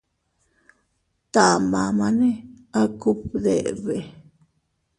Tama maʼne a kubdebe.